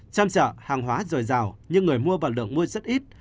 trong chợ hàng hóa dồi dào nhưng người mua vào lượng mua rất ít